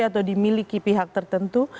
atau dimiliki pihak tertentu